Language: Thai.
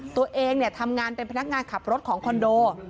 ตัวเองทำงานเป็นพนักงานขับรถของคอนโด